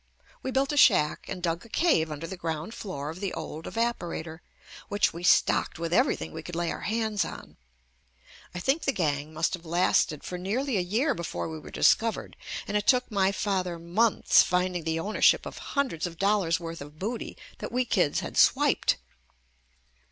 We built a shack and dug a cave under the ground floor of the old evaporator, which we stocked with every thing we could lay our hands on. I think the gang must have lasted for nearly a year be fore we were discovered, and it took my father months finding the ownership of hundreds of dollars' worth of booty that we kids had swiped.